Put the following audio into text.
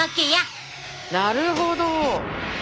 なるほど。